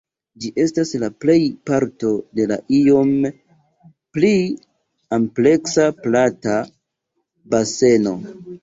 Ĝi estas la plej parto de la iom pli ampleksa Plata Baseno.